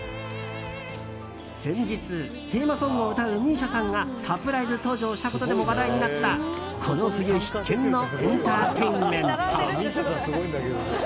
先日、テーマソングを歌うＭＩＳＩＡさんがサプライズ登場したことでも話題になったこの冬必見のエンターテインメント。